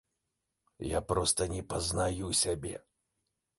Я проста не пазнаю сябе.